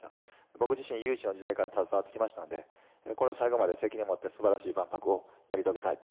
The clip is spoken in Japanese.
僕自身、誘致の時代から携わってきましたので、これを最後まで責任を持って、すばらしい万博をやり遂げたいと。